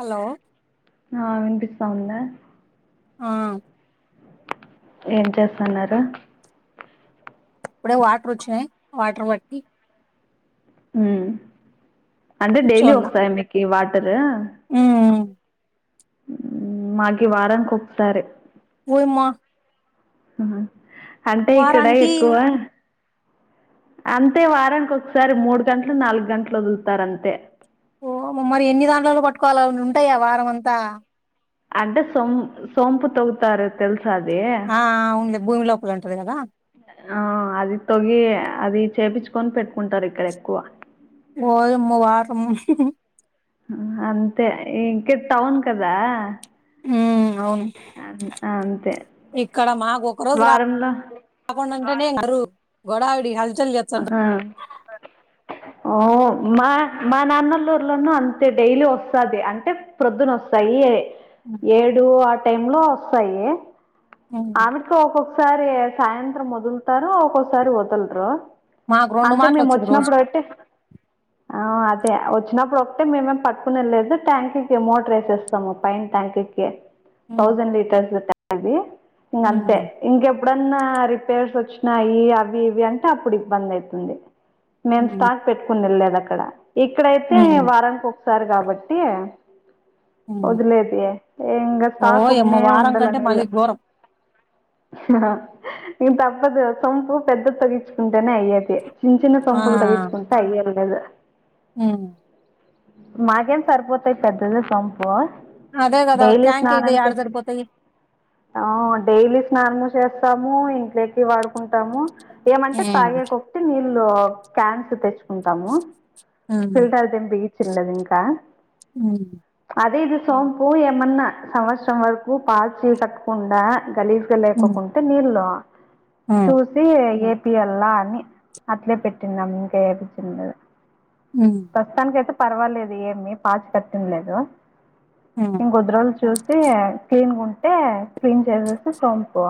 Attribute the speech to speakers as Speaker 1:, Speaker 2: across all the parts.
Speaker 1: Hello
Speaker 2: ఆ వినిపిస్తా ఉంద
Speaker 1: ఆ
Speaker 2: ఏం చేస్తున్నారు
Speaker 1: ఇప్పుడే వాటర్ వోచ్చినయి వాటర్ పట్టి
Speaker 2: ఉ అంటే డైలీ వస్తాయ మీకి వాటర్
Speaker 1: ఉ
Speaker 2: ఉ మాకి వారానికి ఒకసారే
Speaker 1: ఓయమ్మ
Speaker 2: అహా అంటే ఇక్కడ
Speaker 1: వారానికి
Speaker 2: ఎక్కువ అంతే వారానికి ఒకసారి మూడు గంటలు నాలుగు గంటలు వదులుతారు అంతే
Speaker 1: ఓ మరి ఎన్ని దాంట్లలో పట్టుకోవాల ఉంటాయా వారం అంతా
Speaker 2: అంటే సొం సోంపు తొవ్వుతారు తెల్సా అది
Speaker 1: ఆ అవున్లే భూమి లోపల ఉంటది కదా
Speaker 2: ఆ అది తొవ్వి అది చేపిచ్చుకొని పెట్టుకుంటరు ఇక్కడ ఎక్కువ
Speaker 1: ఓయమ్మో వారం
Speaker 2: అంతే ఇంక టౌన్ కదా
Speaker 1: ఉమ్ అవును
Speaker 2: అన్- అంతే
Speaker 1: ఇక్కడ మాకు ఒక రోజు రా
Speaker 2: వారంలో
Speaker 1: కుండా ఉంటేనే ఇనరు గొడావిడి హల్ చల్ చేస్తా ఉంట
Speaker 2: ఆ ఓ మా మా నాన్నలూర్లోనూ అంతే డైలీ వస్తాది అంటే ప్రొద్దున వస్తాయి ఏడు ఆ టైమ్ లో వస్తాయి
Speaker 1: ఉమ్,
Speaker 2: ఆమెకు ఒక్కొక్కసారి సాయంత్రం వదులుతారు ఒక్కొక్కసారి వదలరు
Speaker 1: మాకు రెండు
Speaker 2: అంతే
Speaker 1: మాటలు
Speaker 2: మేము
Speaker 1: వచ్చది
Speaker 2: వచ్చినప్పుడు
Speaker 1: రోజుకి
Speaker 2: పెట్టి ఆ అదే వచ్చినప్పుడు ఒకటే మేమేం పట్టుకునె లేదు ట్యాంక్కి మోటర్ ఎసేస్తాము పైన్ ట్యాంక్కిి
Speaker 1: ఉమ్,
Speaker 2: థౌసండ్ లీటర్స్ ట్యా అది ఇంక
Speaker 1: ఉమ్,
Speaker 2: అంతే ఇంకెప్పుడన్నా రిపేర్స్ వచ్చినాయి అవి ఇవి అంటే అప్పుడు ఇబ్బంది అయితుంది మేము
Speaker 1: ఉమ్,
Speaker 2: స్టాక్ పెట్టుకుని ఎళ్ళేది అక్కడ ఇక్కడైతే
Speaker 1: ఉమ్,
Speaker 2: వారానికి ఒకసారి కాబట్టి
Speaker 1: ఉమ్.
Speaker 2: వదిలేది ఇంగ
Speaker 1: ఓ యమ్మ
Speaker 2: తాకుండన్నే
Speaker 1: వారం
Speaker 2: ఉండల
Speaker 1: కంటే
Speaker 2: నీళ్ళు
Speaker 1: మళ్ళీ ఘోరం
Speaker 2: ఏం తప్పదు సొంపు పెద్ద తొవ్వించుకుంటేనే అయ్యేది చిన్న చిన్న
Speaker 1: ఆ
Speaker 2: సొంపులు తవ్వించుకుంటా అయ్యర్లేదు
Speaker 1: హ్మ్
Speaker 2: మాకేం సరిపోతాయి పెద్దది సొంపు
Speaker 1: అదే గదా ట్యాక్ అయితే ఎడ సరిపోతయ్
Speaker 2: ఆ డైలీ స్నానము చేస్తాము ఇంట్లోకి వాడుకుంటాము ఏమంటే
Speaker 1: ఉమ్,
Speaker 2: తాగే కొక్టి నీళ్ళు క్యాన్స్ తెచ్చు కుంటాము
Speaker 1: ఉమ్,
Speaker 2: ఫిల్టర్ తెంపి ఇచ్చేలేదింక
Speaker 1: ఉమ్,
Speaker 2: అదే ఇది సోంపు ఏమన్నా సంవత్సరం వరకు పాచి కట్టకుండా గలీ
Speaker 1: ఉమ్,
Speaker 2: లేకోకుంటే నీళ్ళు
Speaker 1: ఉమ్,
Speaker 2: చూసి ఏపీ ఎల్లా అని అట్లే పెట్టిన్నాము ఇంకేమి చిన్లేదు
Speaker 1: ఉమ్
Speaker 2: ప్రస్తుతానినికి అయితే పర్వాలేదు ఏమి పాచి కట్టేం లేదు
Speaker 1: ఆ
Speaker 2: కొద్దిద్రోలు చూసి క్లీన్గా ఉంటే క్లీన్ చేసేసి సోంపు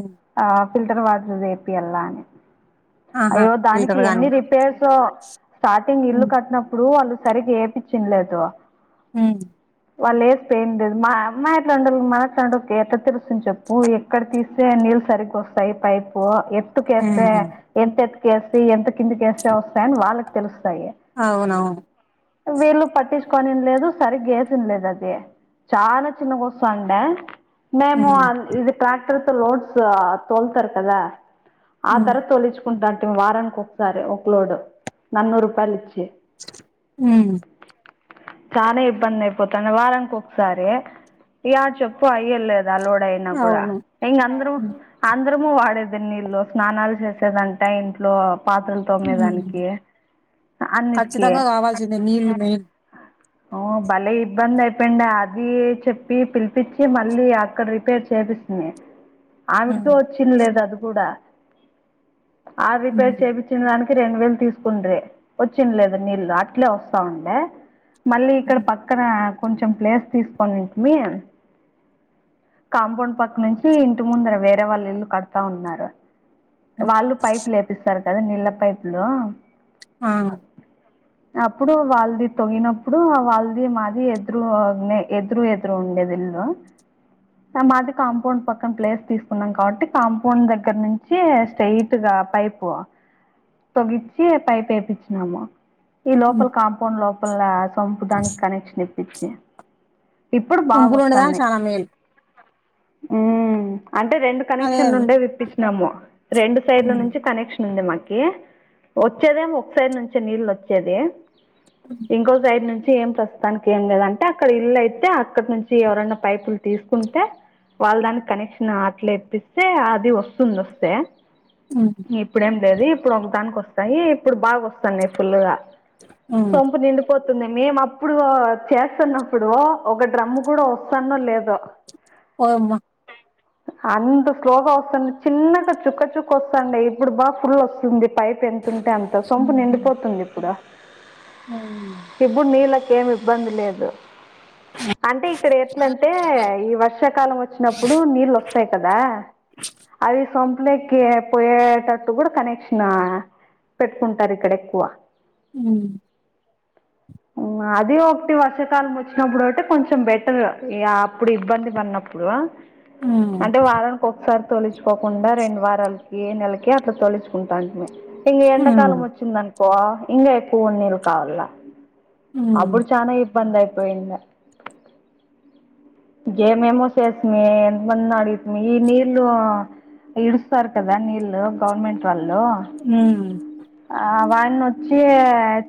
Speaker 1: ఉమ్
Speaker 2: ఆ ఫిల్టర్ వాటర్ ఎపిల్లా అని
Speaker 1: ఆహా
Speaker 2: అయ్యో దానికి
Speaker 1: ఫిల్టర్ కానీ
Speaker 2: ఎన్ని రిపేర్సో స్టార్టింగ్ ఇల్లు
Speaker 1: ఉమ్,
Speaker 2: కట్టినప్పుడు ఇప్పుడు వాళ్ళు సరిగ్గా ఎపించ్చిన్లేదు
Speaker 1: హ్మ్
Speaker 2: వాళ్ళు ఎస్తే ఏం లేదు మా అమ్మ ఇట్లా ఉండాల మన ఎట్ట తెలుస్తుంది చెప్పు ఎక్కడ తీస్తే నీళ్ళు సరిగ్గా వస్తాయి పైపు ఎత్తుకేస్తే
Speaker 1: ఉమ్.
Speaker 2: ఎంత ఎత్తుకేసి ఎంత కిందిక వేస్తే వస్తాయని వాళ్ళకి తెలుస్తాయి
Speaker 1: అవునవును
Speaker 2: వీళ్ళు పట్టిచ్చుకోనిండ్లేదు సరిగ్గా ఏసిండ్లేదు అది చాన చిన్నగ ఒస్తాండ మేము
Speaker 1: ఉమ్,
Speaker 2: ఇది ట్రాక్టర్ తో లోడ్స్ తోలుతార్ కదా ఆ
Speaker 1: ఉమ్,
Speaker 2: తర్వాత తోలిచు కుంటా అంటే వారానికి ఒకసారి ఒక లోడు నన్నూరు రూపాయలు ఇచ్చి
Speaker 1: మ్
Speaker 2: చాన ఇబ్బంది అయిపోతాండ వారానికి ఒకసారి యాడ చెప్ పు అయ్యేల్లేదు ఆ లోడ్ అయినా కూడ
Speaker 1: అవును
Speaker 2: ఇంగ్ అందరు
Speaker 1: ఉమ్,
Speaker 2: అందరము వాడేది నీళ్లు స్నానాలు చేసేదంట ఇంట్లో పాత్రలు
Speaker 1: ఉమ్.
Speaker 2: తోమ్మేదానికి అన్నిటికీ
Speaker 1: ఖచ్చితంగా కావాల్సిందే నీళ్లు మెయిన్
Speaker 2: ఉ భలే ఇబ్బంది అయిపోయిండ అది చెప్పి పిలి పిచ్చి మళ్ళీ అక్కడ రిపేర్ చేపిస్తుంది ఆవిడతో
Speaker 1: ఉమ్,
Speaker 2: వచ్చి చ్చిన్లేదు అది కూడా ఆ
Speaker 1: ఉమ్,
Speaker 2: రిపేర్ చేపిచ్ పిచ్చినదానికి రెండు వేలు తీసుకుండ్రి వచ్చిండ్లేదు నీళ్ళు అట్లే వొస్తావుండ మళ్ళీ ఇక్కడ
Speaker 1: ఉమ్,
Speaker 2: పక్కన కొంచెం ప్లేస్ తీసుకొనింటిమి. కాంపౌండ్ పక్కనుంచి ఇంటి ముందర వేరే వాళ్ళు ఇల్లు కడతా ఉన్నారు.
Speaker 1: ఉమ్.
Speaker 2: వాళ్ళు పైపులేపిస్తారు కదా నీళ్ళ పైపులు.
Speaker 1: ఆ,
Speaker 2: అప్పుడు వాళ్ళది తొగినప్పుడు వాళ్ళది మాది ఎదురు ఎదురు ఎదురు ఉండేది ఇల్లు లు స మాది కాంపౌండ్ పక్కన ప్లేస్ తీసుకున్నాం కాబట్టి కాంపౌండ్ దగ్గర నుంచి స్ట్రైట్ గా పైప్ పోవ తొగిచ్చి పైప్ ఏపిచ్చినాము. ఈ
Speaker 1: ఉమ్.
Speaker 2: లోపల కాంపౌండ్ లోపల సొంపు దానికి కనెక్షన్ ఇప్పిచ్చి ఇప్పుడు బాగా
Speaker 1: పంపులు
Speaker 2: వస్
Speaker 1: ఉండదా చాలా మేలు
Speaker 2: మ్ అంటే రెండు
Speaker 1: అదే
Speaker 2: కనెక్షన్ లు
Speaker 1: అది.
Speaker 2: ఉండేవి ఇప్పిచ్చినాము. రెండు సైడ్ల
Speaker 1: ఉమ్,
Speaker 2: నుంచి కనెక్ష ఉండ మాకి వచ్చేదేమో ఒక సైడ్ నుంచే నీళ్ళు వచ్చేది. ఇంకో సైడ్ నుంచి ఏం ప్రస్తుతానికి ఏం లేదంట అక్కడ ఇల్లు అయితే అక్కట్ ను తీ ఎవరైన్నా పైపులు తీసుకుంటే వాళ్ళ దానికి కనెక్షన్ అట్లే ఇప్పిస్తే అది వొస్తుంది వొస్తే
Speaker 1: ఉహు
Speaker 2: ఇప్పుడేం లేదు ఇప్పుడు ఒకదానికి వస్తాయి ఇప్పుడు బాగా వస్తున్నాయి ఫుల్ గా
Speaker 1: ఉమ్.
Speaker 2: సొంపు నిండు పోతుంది మేము అప్పుడు చేస్తన్నప్పుడు ఒక డ్రమ్ము కూడా వస్తానో లేదో
Speaker 1: వామ్మ
Speaker 2: [unintelligible] అంత స్లోగా వస్తుంది చిన్నగా చుక్క చుక్క వస్తాండా ఇప్పుడు బాగా ఫుల్ వస్తుంది పైప్ ఎన్ అంటే అంత సొంపు నిండిపోతుంది ఇప్పుడా ఇప్పుడు నీళ్ళకి ఏమి ఇబ్బంది లేదు
Speaker 1: అ
Speaker 2: అంటే ఇక్కడ ఎట్లంటే ఈ వర్షాకాలం వచ్చినప్పుడు నీళ్ళోస్తాయి కదా అది సొంపులేకి పోయేటట్టు గూడా కనెక్షనా పెట్టుకుంటారు ఇక్కడ ఎక్కువ
Speaker 1: మ్
Speaker 2: ఉ అది ఒకటి వర్షకాలం వచ్చినప్పుడు ఒకటి కొంచెం బెటర్ ఇగా అప్పుడు ఇబ్బంది పడినప్పుడు
Speaker 1: ఉమ్,
Speaker 2: అంటే వళ ఒకసారి తొలుచుకోకుండా రెండు వారాలకి నెలకి అట్లా తొలుచుకుంటాంటిమి ఇంక ఎండాకాలం
Speaker 1: ఉమ్,
Speaker 2: వచ్చింది అనుకో ఇంగా ఎక్కువ నీళ్ళు కావాలా
Speaker 1: ఉమ్,
Speaker 2: అప్పుడు చానా ఇబ్బంది అయిపోయింద గేమెమో సెసేమి ఎంత మందిని అడిగితిమి ఈ నీల్లు ఇడుస్తారు కదా నీళ్ళు గవర్నమెంట్ వాళ్ళు
Speaker 1: ఉమ్
Speaker 2: ఆ వాడిని వచ్చి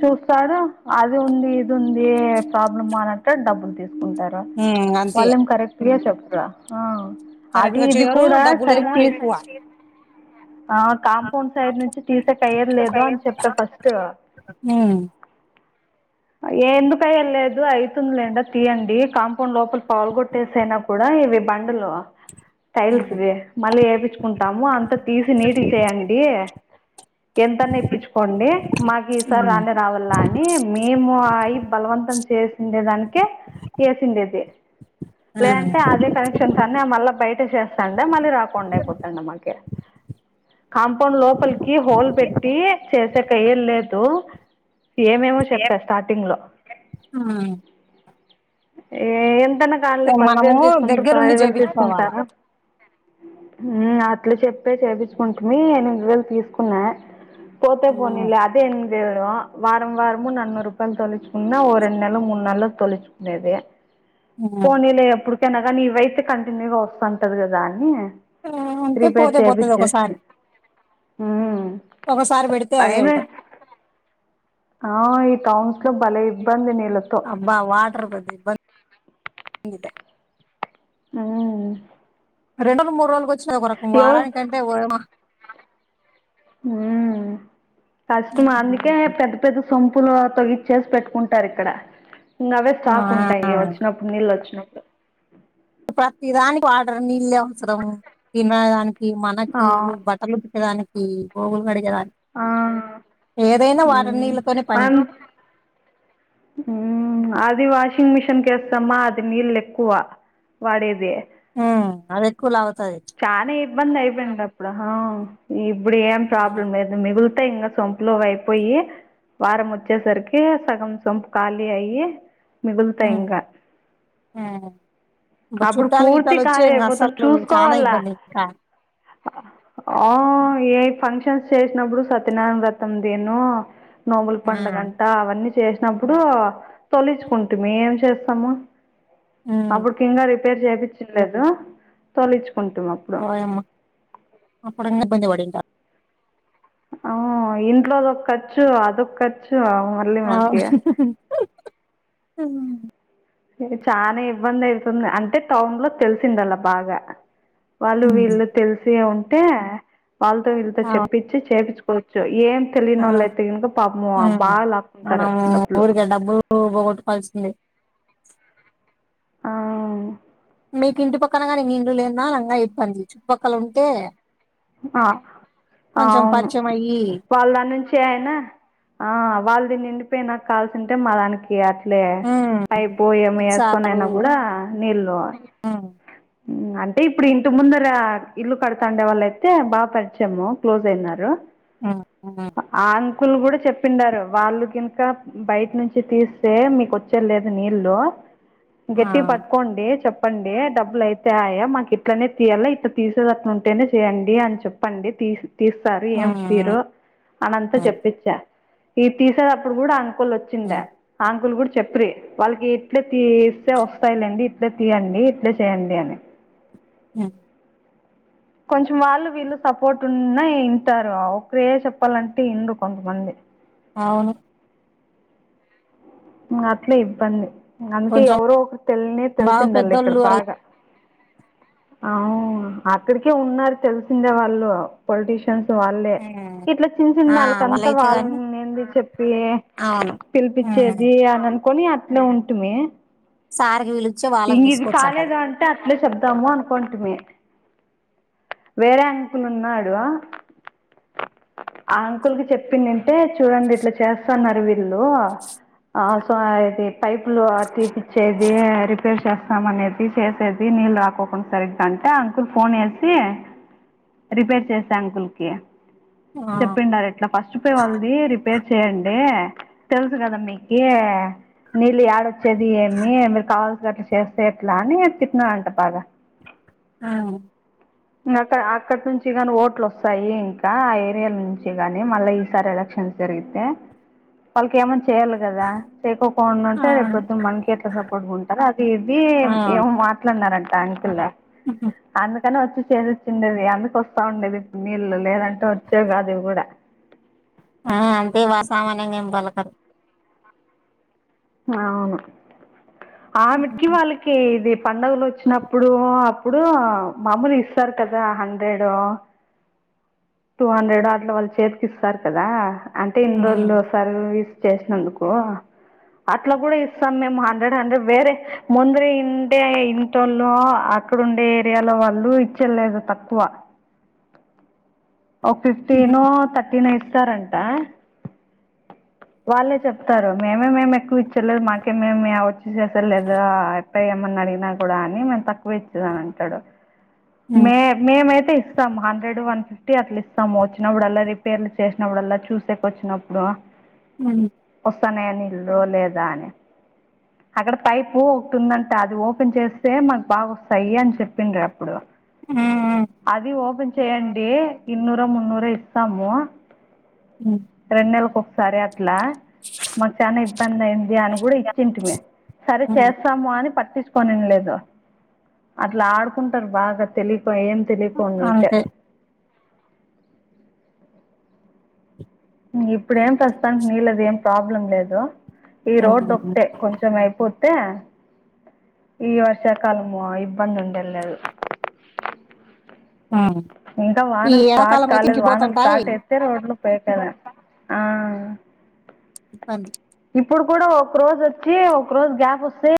Speaker 2: చూస్తాడు అది ఉంది ఇది ఉంది ప్రాబ్లమ్ అనంట డబ్బులు తీసుకుంటారు
Speaker 1: ఉమ్ అంతే
Speaker 2: వాళ్ళేం కరెక్ట్గా చెప్రా ఆ
Speaker 1: కరెక్ట్
Speaker 2: అది
Speaker 1: గా
Speaker 2: ఇది
Speaker 1: చేయరు
Speaker 2: కూడా సరి
Speaker 1: డబ్బులేమో
Speaker 2: తీస్
Speaker 1: ఎక్కువ
Speaker 2: ఆ కాంపౌండ్ సైడ్ నుంచి తీసే కయర్ లేదు అని చెప్పా ఫస్ట్
Speaker 1: ఉమ్
Speaker 2: ఏ ఎందుకై లేదు అయి సునలేదు అది తీయండి కాంపౌండ్ లోపల పగేలు కొట్టేసైనా కూడా ఇవి బండలు
Speaker 1: ఉమ్
Speaker 2: టైల్స్వి మళ్ళీ వేపిచ్చుకుంటాము అంత తీసి నీటిగా చేయండి. ఎంతన్నా ఇప్పించుకోండి మాకు ఈసారి
Speaker 1: ఉమ్
Speaker 2: రానే రావాల అని మేము అయి బలవంతం చేస్ ఉండే దానికి చేసిండేది
Speaker 1: ఆ
Speaker 2: లేదంటే అదే కనెక్షన్ చెన్సన్నే మళ్ళ బయట చేస్తాండే మళ్ళీ రాకుండా అయిపోతుండ మనకి కాంపౌండ్ లోపలికి హోల్ పెట్టి చేసే కయ్యలు లేదు ఏమేమో చెప్పా స్టార్టింగ్ లో
Speaker 1: వ్మ్
Speaker 2: ఏ ఎంతన్నా కాన్లే
Speaker 1: ఉమ్ మనము
Speaker 2: పదివేలు తీసుకుంటారు
Speaker 1: దగ్గరుండి
Speaker 2: పది వేలు
Speaker 1: చేపించుకోవాలా
Speaker 2: తీసుకుంటారా? వ్మ్ అట్లు చెప్పే చేపిచ్చుకుంటుంది ఎనిమిది వేలు తీసుకున్నా పోతే
Speaker 1: ఉమ్
Speaker 2: పోనిలే అది ఎనికి వారం వారమ నన్నూరు రూపాయలు తొలచుకున్న రెం నెల మున్నాళ్ళ తొలిచ్చుకునేది
Speaker 1: ఉమ్
Speaker 2: పోనీలే ఎప్పుడు తనగానీ ఈ వయస్సు కంటిన్యూగా వస్తుంటది కదా అని
Speaker 1: ఆ ఉంటే
Speaker 2: రిపేర్
Speaker 1: పోతే పోతది
Speaker 2: చేపిచ్చేస్తి
Speaker 1: ఒకసారి ఒకసారి పెడితే అదే ఉంటది
Speaker 2: ఆ ఈ టౌన్స్ లో భలే ఇబ్బంది నీళ్లతో
Speaker 1: బా వాటర్ పెది ఇబ్బంది
Speaker 2: వ్మ్
Speaker 1: రెండోలు మూడ్రోలు వచ్చాన ఓ రకం
Speaker 2: ఎవరు
Speaker 1: వారాని కంటే ఓయమ్మో
Speaker 2: వ్మ్ కష్టం అందుకే పె పెద్ద సొంపులు తొగిచ్చేసి పెట్టుకుంటారు ఇక్కడ ఇంగా అవే
Speaker 1: ఆ
Speaker 2: స్టాక్ ఉంటాయి వచ్చి న అప్పుడూనీల్లుచ్చినప్పుడే
Speaker 1: ప్రతి దానికి వాటర్ నీళ్ళే అవసరం తినదానికి ఈ
Speaker 2: ఆ
Speaker 1: మనకి బట్టలు ఉతికేదానికి బోగులు కడిగేదానికి
Speaker 2: ఆ
Speaker 1: ఏదైనా వారం
Speaker 2: ఉమ్
Speaker 1: నీళ్ళతోనే పని
Speaker 2: వ్మ్ అది వాషింగ్ మిషిన్ కేస్తామా అది నీళ్ళు ఎక్కువ వాడేది.
Speaker 1: వ్మ్ అది ఎక్కువ లెగుతాది
Speaker 2: చానా ఇబ్బంది అయిపోయిందిగా అప్పుడు ఇప్పుడు ఏం ప్రాబ్లం లేదు మిగులు ఆ ఇంగా సంపులోవి అయిపోయి వారం వచ్చేసరికి సగం సొంపు ఖాళీ అయ్యి మిగులుతాయి
Speaker 1: ఉమ్,
Speaker 2: ఇంకా
Speaker 1: ఉమ్. బ-
Speaker 2: అప్పుడు
Speaker 1: చుట్టాలు
Speaker 2: పూర్తి
Speaker 1: గిట్టాలు వచ్చే
Speaker 2: కాలి
Speaker 1: ఇంకా
Speaker 2: అయిపోతా
Speaker 1: అసలు
Speaker 2: చూసు
Speaker 1: చాలా
Speaker 2: కోవలా
Speaker 1: ఇబ్బంది ఇంకా
Speaker 2: ఆ ఏ ఫంక్షన్స్ చేసినప్పుడు సత్యనారాయణ వ్రతం దేను నోముల్
Speaker 1: ఉమ్,
Speaker 2: పండగన్ టా అవన్నీ చేసినప్పుడు తొలచుకుంటు మేం ఏం చేస్తాము.
Speaker 1: ఉమ్,
Speaker 2: అప్పుడు ఖ్యంగా రిపేర్ చెపీచట్లేదు. తొలచుకుంటున్నము.
Speaker 1: ఓయమ్మ అప్పుడుంగా బంది వాడంట
Speaker 2: అవు ఇంట్లోదొఖర్చు అదొఖర్చు అవు
Speaker 1: అవు
Speaker 2: చాన ఇబ్బంది అయితుంది. అంటే టౌన్ లో తెలిసింది అలా బాగా వాళ్ళు వీళ్ళు తెలిసే ఉంటే వాళ్ళతో వీళ్ళతో
Speaker 1: అవు,
Speaker 2: చెప్పిచ్చీ చేపిచ్చూకోవచ్చు ఏం
Speaker 1: అవు,
Speaker 2: తెలియనోళ్ళయితే ఇంగ పాపము
Speaker 1: ఉమ్.
Speaker 2: బాగాలాక్కుంటారు.
Speaker 1: మనము
Speaker 2: డబ్బులు
Speaker 1: ఊరికే డబ్బులు పోగొట్టుకోవాల్సిందే
Speaker 2: అవు
Speaker 1: మీకి ఇంటి పక్కన కానీ మీ ఇండ్లు లేద అలా ఐయిపోంది చుట్టుపక్కల ఉంటే
Speaker 2: ఆ
Speaker 1: కొంచెం
Speaker 2: అవును
Speaker 1: పరిచయం అయ్యి
Speaker 2: వాళ్ళ నుంచి చే అయినా ఆ వాళ్దీ నిండిపోయినా నాకాల్సింటే మాదానికి ఇగ అట్లే
Speaker 1: ఉమ్,
Speaker 2: అయిపోయే ఏమి ఏసుకొని అయినా గూడ నీళ్ళు పో
Speaker 1: ము
Speaker 2: ఊ అంటే ఇప్పుడు ఇంటి ముందర ఇల్లు కడుతాండే వాళ్ళయితే బా పరిచయము క్లోజ్ అయినారు.
Speaker 1: ఆహ
Speaker 2: ఆ అంకుల్ గూడ చెప్పిండారు. వాళ్ళు కింకా బయటనుంచి తీస్తే మీకు వచ్చే లేదు నీళ్లు గట్టిగ
Speaker 1: ఆ.
Speaker 2: పట్టుకోండి. చెప్పండి. డబ్బులు అయి అయ్యే మాకు ఇట్లనే తీయాలే ఇట్లా తీసేది అట్లు ఉంటేనే చేయండి. అని చెప్పండి తీసి తీస్తారు.
Speaker 1: ఆ
Speaker 2: ఏం తీరు అనంతా
Speaker 1: ఆ
Speaker 2: చెప్పించా. ఈ తీసేటప్పుడు గూడ అంకుల్ వచ్
Speaker 1: ఆ
Speaker 2: చ్చిందా ఆ ఆంకుల్ గూడ చెప్ప్రి వాళ్ళకి ఇట్లే తీస్తే వస్తాయిలేండి. ఇట్లా తీయండి. ఇట్లే చేయండి. అని
Speaker 1: ఊ
Speaker 2: కొంచెం వాళ్ళు, వీళ్ళు సపోర్ట్ ఉన్న ఇంటారు. ఒకరే చెప్పాలంటే ఇన్రు కొంతమంది.
Speaker 1: అవును!
Speaker 2: ఊ అట్లీ ఇబ్బంది. అందుకే
Speaker 1: కొంచెం
Speaker 2: ఎవరో ఒ తెలినే
Speaker 1: బాగా
Speaker 2: తెలిసిందల్ళ ఇక్కడ
Speaker 1: పెద్దోళ్ళు అయి
Speaker 2: బాగా అవు అక్కడికే ఉన్నారు. తెలిసిందే వాళ్ళు పొలిటీష షన్స్ వాళ్ళే
Speaker 1: హ్మ్.
Speaker 2: ఇట్ల చిన్న
Speaker 1: ఆ
Speaker 2: చిన్న ఆల్లకంతా
Speaker 1: వాళ్ళైతే
Speaker 2: వాళ్ళ
Speaker 1: గాని
Speaker 2: నే ఏంది చెప్పి
Speaker 1: అవును
Speaker 2: పిలిపిచ్చేది అని అనుకొని అట్లే ఉంటుమీ.
Speaker 1: సారిగిళుచ్చే వాళ్ళని తీసుకోవచ్చ అంటది.
Speaker 2: అంటే అట్లే చెబ్దాము అనుకోంటిమీ. వేరే అంకులు ఉన్నాడు. ఆ అంకుల్ కి చెప్పిందింటే చూడండి ఇట్లా చేస్తన్నారు వీళ్ళు ఆ సో అది పైపులు తీపిచ్చేది. రిపేర్ చేస్తాం. అనేది చేసేది నీళ్ళు రాకు సరిఇట్ల అంటే అంకుల్ ఫోన్ ఏసి రిపేర్ చేసే అంకుల్కి
Speaker 1: ఆ
Speaker 2: చెప్పిండారు ఇట్లా ఫస్ట్ పోయ వాళది రిపేర్ చెయండి. తెలుసు గదా మీకీ నీళ్ళు యాడొచ్చేది. ఏమి మీరు కావాల్సినట్ చేస్తే ఎట్లా అని చిట్న అంట బాగా
Speaker 1: ఆ
Speaker 2: ఇంగ అక్క అక్కడి నుంచి ఇగ ఓట్లు వోస్తాయి. ఇంకా ఆ ఏరియాల్ నుంచి గానీ మళ్ళా ఈసారి ఎలక్షన్స్ జరిగితే పళ్కి ఏమో చేయాలి కదా చేకోం ఉంటే రేపోద్దు మనకి ఎట్లా సపోర్ట్గా ఉంటారు. అది ఇది
Speaker 1: ఆ
Speaker 2: ఏమో మ మాట్లాడీన్నారంటా అంకుల్
Speaker 1: ఉహ్
Speaker 2: అందుకని వచ్చి చేసేసి వచ్చిండేది అందుకు వస్తా ఉండేది. నీళ్ళు లేదంటే వచ్చేవి కాదు ఇవి కూడా
Speaker 1: ఆ అంతే సామాన్యంగా ఏం పలకరు
Speaker 2: అవును ఆ మీటికిీ వాల్లకీ కి ఇది పండుగలు వచ్చినప్పుడు అప్పుడు మామూలు ఇస్తారు. కదా హండ్రెడ్ టూ హండ్రెడ్ అట్లా వాళ్ళు చేతికి ఇస్తారు కదా అంటే ఇన్ని రోజులు
Speaker 1: హ్మ్
Speaker 2: ఇస్తారు హ్ ఇది చేసినందుకు అట్లా కూడా ఇస్తాం మేము హండ్రెడ్ హండ్రెడ్ వేరే ముందర ఇంటే ఇంటోల్లు ఇప్పుడు ఉండే ఏరియాలో వాళ్ళు ఇచ్చేది లేదు తక్కువ ఒక ఫిఫ్టీను
Speaker 1: హ్మ్
Speaker 2: థర్టీన్ ఇస్తారంట వాళ్ళే చెప్తారు. మేమే మేము ఎక్కువ ఇచ్చలే మాకే మేము ఆ వచ్చి చేసేది లేదు ప ఏమన్నా అడిగినా కూడా అని మేం తక్కుఇచ్చేదాని అని అంటాడు.
Speaker 1: హ్మ్
Speaker 2: మే మేము అయితే ఇస్తాము హండ్రెడ్ వన్ ఫిఫ్టీ టి అట్లా ఇస్తాము వచ్చినప్పుడల్ల రిపేర్లు చేసినప్పుడు చూసేకి వచ్చినప్పుడు
Speaker 1: ఉ
Speaker 2: వస్తన్నయి అన్ని లో లేదా అని అక్కడ పైపు ఒకటి ఉందంట అది ఓపెన్ చేస్తే మకు బాగా వస్తాయి అని చెప్పిండ్రు అప్పుడు
Speaker 1: హ్మ్ హ్మ్
Speaker 2: అది ఓపెన్ చెయ్యడి. ఇన్నూర మున్నూరో ఇస్తాము
Speaker 1: హ్
Speaker 2: రెండు నెలలకు ఒకసారి అట్లా మాకు చానా ఇబ్బంది అయింది. అని కూడా ఇచ్చింటిమీ మేము సరే చేస్త
Speaker 1: హ్మ్.
Speaker 2: చేస్తాము అని పట్టించుకోనింలేదు అట్లా ఆడుకుంటారు. బాగా తెలిపో ఏం తెలియ పొడుంటే
Speaker 1: అంతే
Speaker 2: ఇప్పుడు ఏం ప్రస్తుతనికి నీళ్ళది ఏం ప్రాబ్లం లేదు ఈ రోడ్డు
Speaker 1: హ్మ్.
Speaker 2: ఒకటే కొంచెం అయిపోతే ఈ వర్షాకాలము ఇబ్బంది ఉండేది లేదు
Speaker 1: ఆ
Speaker 2: ఇంకా వానలు స్టార్ట్ కాలేదు. వానల్ స్టార్ట్ అయి అంటే రోడ్లు పోయికదా ఆ
Speaker 1: అం
Speaker 2: ఇప్పుడు కూడా ఒక రోజు వచ్చి ఒక రోజు గ్యాప్ వస్తే